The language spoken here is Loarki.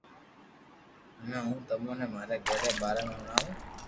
ھمو ھون تموني ماري گھر ري باري ۾ ھڻاوُ